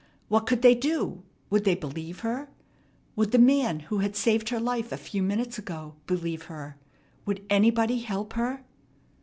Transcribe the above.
What could they do? Would they believe her? Would the man who had saved her life a few minutes ago believe her? Would anybody help her?